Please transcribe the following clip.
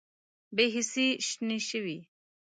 بې حسۍ شنې شوې